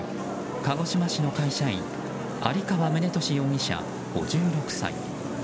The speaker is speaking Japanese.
鹿児島市の会社員有川宗利容疑者、５６歳。